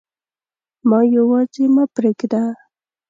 ما یواځي مه پریږده